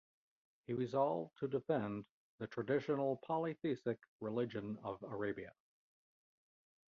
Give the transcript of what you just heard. He resolved to defend the traditional polytheistic religion of Arabia.